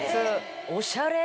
おしゃれ。